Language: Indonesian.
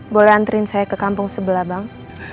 boleh antrin saya ke kampung sebelah bang